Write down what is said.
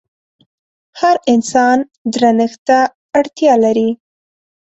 هر انسان درنښت ته اړتيا لري.